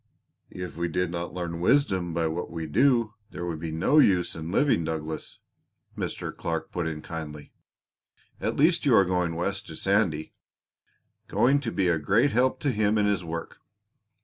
"If we did not learn wisdom by what we do there would be no use in living, Douglas," Mr. Clark put in kindly. "At least you are going West to Sandy going to be a great help to him in his work."